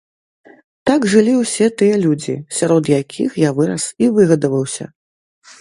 Так жылі ўсе тыя людзі, сярод якіх я вырас і выгадаваўся.